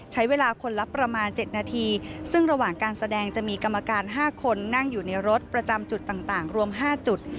ใช้เวลาคนละประมาณ๗นาทีซึ่งระหว่างการแสดงจะมีกรรมการ๕คนนั่งอยู่ในรถประจำจุดต่างรวม๕จุด